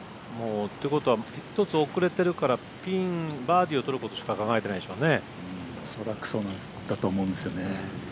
ということは１つ遅れてるからバーディーを取ることしか恐らくそうだと思うんですよね。